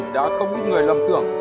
đã không ít người lầm tưởng